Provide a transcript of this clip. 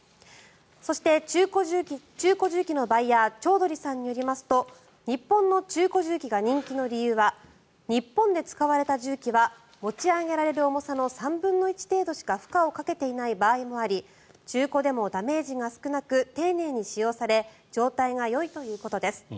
そして、中古重機のバイヤーチョウドリさんによりますと日本の中古重機が人気の理由は日本で使われた重機は持ち上げられる重さの３分の１程度しか負荷をかけていない場合もあり中古でもダメージが少なく丁寧に使用され状態がよいということです。